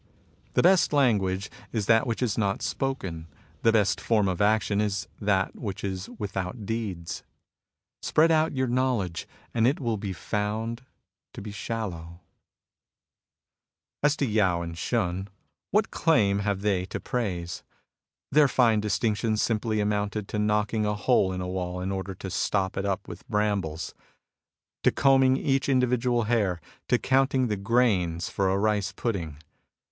The best language is that which is not spoken, the best form of action is that which is without deeds. Spread out your knowledge, and it wiU be found to be shallow. As to Yao and Shun, what claim have they to praise ? Their fine distinctions simply amounted to knocking a hole in a wall in order to stop it up with brambles ; to combing each individual hair ; to counting the grains for a rice pudding